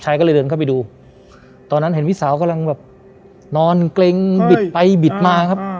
ก็เลยเดินเข้าไปดูตอนนั้นเห็นพี่สาวกำลังแบบนอนเกร็งบิดไปบิดมาครับ